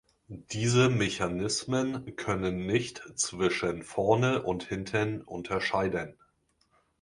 Diese Mechanismen können nicht zwischen vorne und hinten unterscheiden.